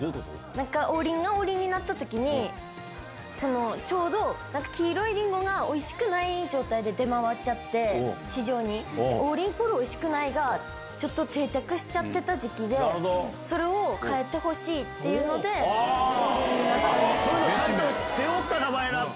なんか、王林が王林になったときに、ちょうど、なんか黄色いりんごがおいしくない状態で出回っちゃって、市場に、王林イコールおいしくないがちょっと定着しちゃってた時期で、それを変えてほしいっていうので、王林になった。